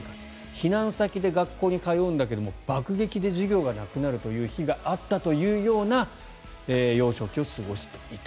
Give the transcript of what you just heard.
避難先で学校に通うんだけど爆撃で授業がなくなる日があったというような幼少期を過ごしていた。